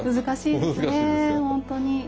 難しいですね本当に。